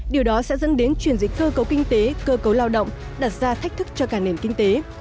điều đó sẽ dẫn đến chuyển dịch cơ cấu kinh tế cơ cấu lao động đặt ra thách thức cho cả nền kinh tế